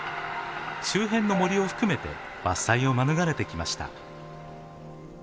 周辺の森を含めて伐採を免れてきました。